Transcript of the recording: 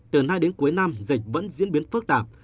từ nay đến cuối năm dịch vẫn diễn biến phức tạp